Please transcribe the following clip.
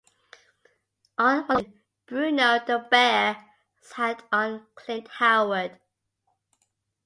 On one occasion, Bruno the bear sat on Clint Howard.